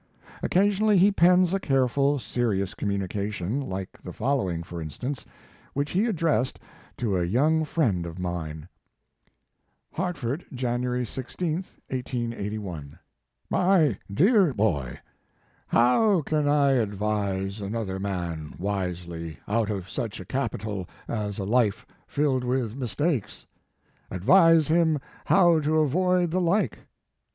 Occasionally he pens a careful, serious communication, like the following, for instance, which he addressed to a young friend of mine; 12 Mark Twain Hartford, Jan. 16, 1881. "MY DEAR BOY: How can I advise another man wisely, out of such a capital as a life filled with mistakes? Advise him how to avoid the like?